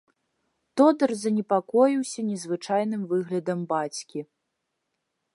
Тодар занепакоіўся незвычайным выглядам бацькі.